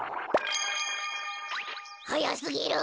はやすぎる！